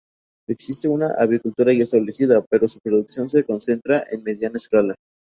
Existe una avicultura ya establecida, pero su producción se concentra en mediana escala.